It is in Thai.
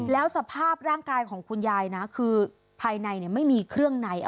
แล้วสภาพร่างกายของคุณยายนะคือภายในไม่มีเครื่องใน